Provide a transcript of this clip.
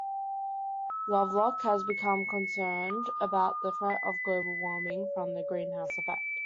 Lovelock has become concerned about the threat of global warming from the greenhouse effect.